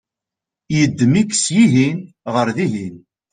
yeddem-ik syihen ɣer dihin